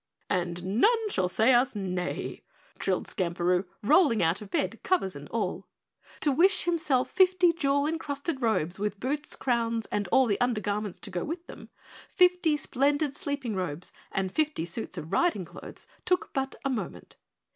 "And none shall say us nay," trilled Skamperoo, rolling out of bed, covers and all. To wish himself fifty jewel encrusted robes with boots, crowns, and all the undergarments to go with them, fifty splendid sleeping robes, and fifty suits of riding clothes took but a moment.